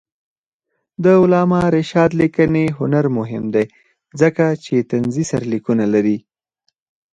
د علامه رشاد لیکنی هنر مهم دی ځکه چې طنزي سرلیکونه لري.